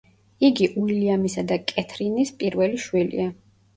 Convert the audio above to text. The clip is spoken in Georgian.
იგი უილიამისა და კეთრინის პირველი შვილია.